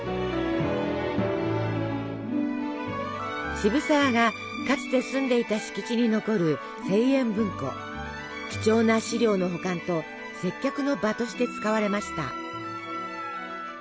渋沢がかつて住んでいた敷地に残る貴重な資料の保管と接客の場として使われました。